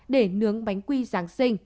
để nướng bánh quy giáng sinh